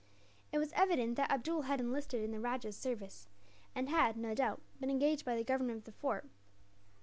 It was evident that Abdool had enlisted in the rajah's service; and had, no doubt, been engaged by the governor of the fort.